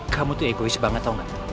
kamu itu egois banget tau gak